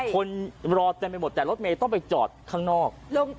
คนรอเต็มไปหมดแต่รถเมย์ต้องไปจอดข้างนอก